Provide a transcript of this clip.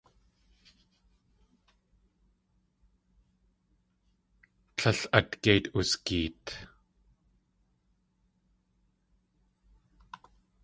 Tlél at géit wusgeet.